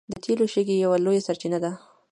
د تیلو شګې یوه لویه سرچینه ده.